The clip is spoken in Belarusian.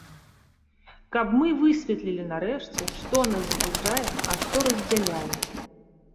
Каб мы высветлілі нарэшце, што нас збліжае, а што раздзяляе.